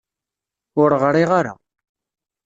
Ur ɣriɣ ara